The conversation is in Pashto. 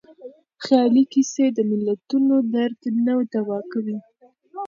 خیالي کيسې د ملتونو درد نه دوا کوي.